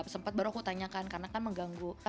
sempat baru aku tanyakan karena kan mengganggu